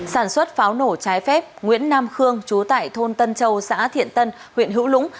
sản xuất pháo nổ trái phép nguyễn nam khương chú tại thôn tân châu xã thiện tân huyện hữu lũng